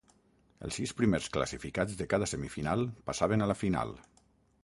Els sis primers classificats de cada semifinal passaven a la final.